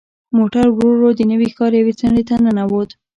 موټر ورو ورو د نوي ښار یوې څنډې ته ننوت.